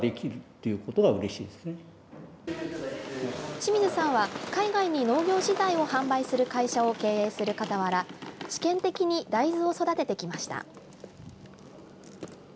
清水さんは海外に農業資材を販売する会社を経営する傍ら試験的に大豆を育ててきました。